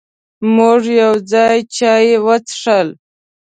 مونږ یو ځای چای وڅښل.